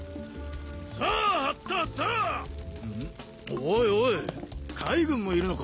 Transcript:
おいおい海軍もいるのか？